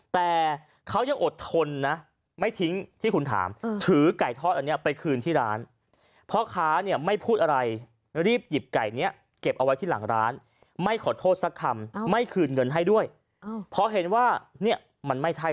แต่เขายังอดทนน่ะไม่ทิ้งที่คุณถาม